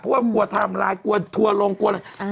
เพราะว่ากลัวไทม์ไลน์กลัวทัวร์ลงกลัวอะไร